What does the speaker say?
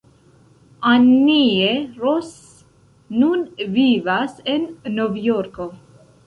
Annie Ross nun vivas en Novjorko.